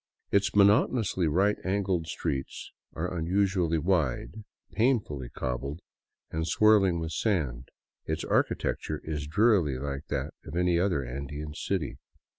Its monotonously right angled streets are un usually wide, painfully cobbled, and swirling with sand ; its architecture is drearily like that of any other Andean city.